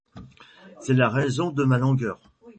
C’est la raison de ma langueur.